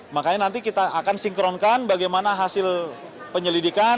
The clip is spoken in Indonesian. makanya nanti kita akan sinkronkan bagaimana hasil penyelidikan